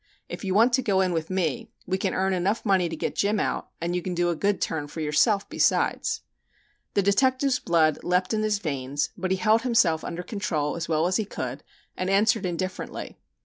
If you want to go in with me, we can earn enough money to get Jim out and you can do a good turn for yourself besides." The detective's blood leaped in his veins but he held himself under control as well as he could and answered indifferently.